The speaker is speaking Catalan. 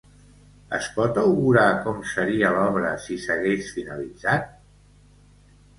Es pot augurar com seria l'obra si s'hagués finalitzat?